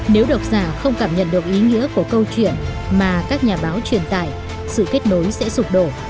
nếu độc giả không cảm nhận được ý nghĩa của câu chuyện mà các nhà báo truyền tải sự kết nối sẽ sụp đổ